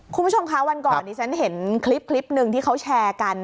คุณผู้ชมคะวันก่อนดิฉันเห็นคลิปหนึ่งที่เขาแชร์กัน